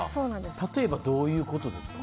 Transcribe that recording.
例えば、どういうことですか？